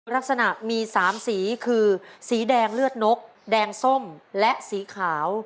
ลักษณะมี๓สีคือสีแดงเลือดนกแดงส้มและสีขาว